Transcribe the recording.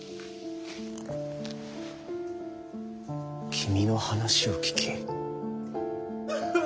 君の話を聞き。